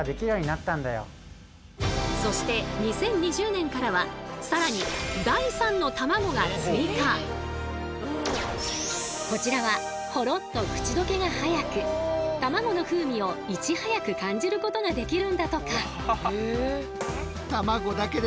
そして２０２０年からは更にこちらはほろっと口溶けが早くたまごの風味をいち早く感じることができるんだとか。